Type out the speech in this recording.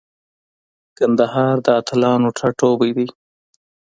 کندهار د اتلانو ټاټوبی دی.